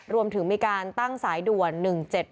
รวมถึงมีการตั้งสายด่วน๑๗๗